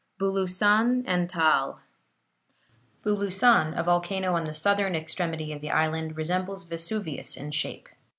BULUSAN AND TAAL Bulusan, a volcano on the southern extremity of the island, resembles Vesuvius in shape.